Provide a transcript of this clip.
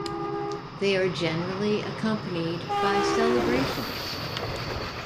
They are generally accompanied by celebrations.